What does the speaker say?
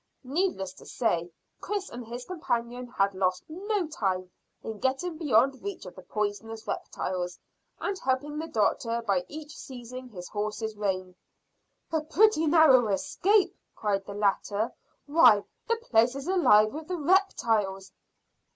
Needless to say, Chris and his companion had lost no time in getting beyond reach of the poisonous reptiles, and helping the doctor by each seizing his horse's rein. "A pretty narrow escape," cried the latter. "Why, the place is alive with the reptiles."